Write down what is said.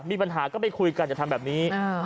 มีปัญหาก็ไปคุยกันอย่าทำแบบนี้